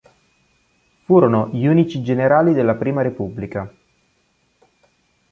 Furono gli unici generali della Prima Repubblica.